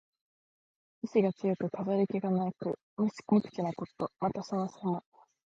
意思が強く、飾り気がなく無口なこと。また、そのさま。